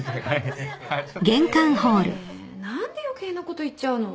ねえ何で余計なこと言っちゃうの？